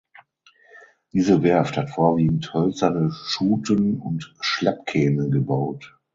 Diese Werft hat vorwiegend hölzerne Schuten und Schleppkähne gebaut.